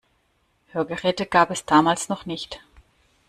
Hörgeräte gab es damals noch nicht.